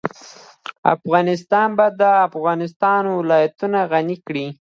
افغانستان په د افغانستان ولايتونه غني دی.